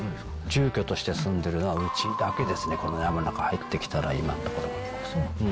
住居として住んでるのはうちだけですね、山の中入ってきたら、今のところになりますね。